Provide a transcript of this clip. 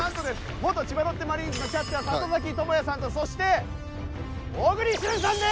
元千葉ロッテマリーンズのキャッチャー里崎智也さんとそして小栗旬さんです！